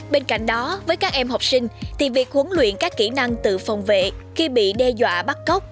bên cạnh đó với các em học sinh thì việc huấn luyện các kỹ năng tự phòng vệ khi bị đe dọa bắt cóc